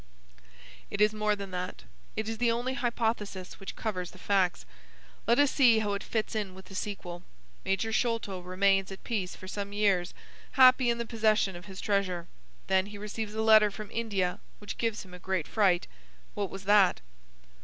"It is more than that. It is the only hypothesis which covers the facts. Let us see how it fits in with the sequel. Major Sholto remains at peace for some years, happy in the possession of his treasure. Then he receives a letter from India which gives him a great fright. What was that?"